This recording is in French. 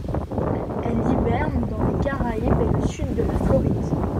Elle hiverne dans les Caraïbes et le sud de la Floride.